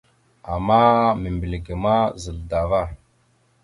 Ama membilge ma zal dava.